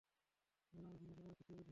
জীবনে আমি ঘৃণা ছাড়া আর কিছুই বুঝিনি।